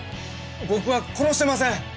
僕は殺してません！